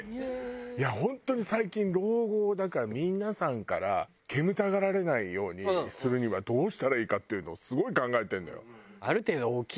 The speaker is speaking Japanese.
いや本当に最近老後だから皆さんから煙たがられないようにするにはどうしたらいいかっていうのをすごい考えてるのよ。